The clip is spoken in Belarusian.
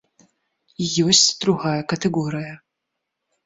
І ёсць другая катэгорыя.